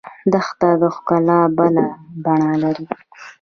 دښته د ښکلا بله بڼه لري.